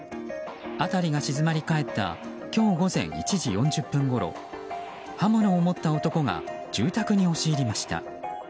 辺りが静まり返った今日午前１時４０分ごろ刃物を持った男が住宅に押し入りました。